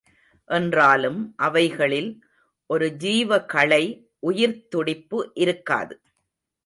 என்றாலும் அவைகளில் ஒரு ஜீவகளை, உயிர்த்துடிப்பு இருக்காது.